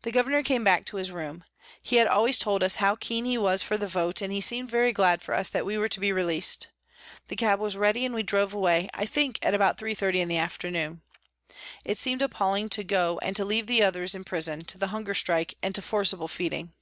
The Governor came back to his room. He had always told us how keen he was for the vote, and he seemed very glad for us that we were to be released. The cab was ready and we drove away, I think at about 3.30 in the afternoon. It seemed appalling to go and to leave the others in prison, to the hunger strike and to forcible feeding.